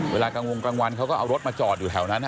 กลางวงกลางวันเขาก็เอารถมาจอดอยู่แถวนั้น